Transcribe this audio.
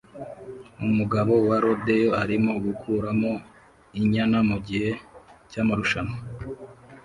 Umugabo wa rodeo arimo gukuramo inyana mugihe cyamarushanwa